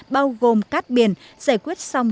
bao gồm cát biển giải quyết sông